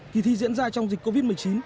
kỳ thi diễn ra trong dịch covid một mươi chín